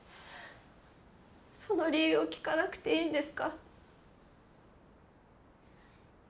その理由を聞かなくていいんですか？